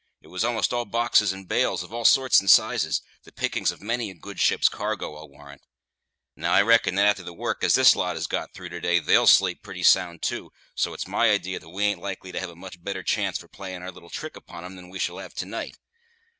It was a'most all boxes and bales, of all sorts and sizes, the pickings of many a good ship's cargo, I'll warrant. Now I reckon that a'ter the work as this lot has got through to day they'll sleep pretty sound too, so it's my idee that we ain't likely to have a much better chance for playin' our little trick upon 'em than we shall have to night.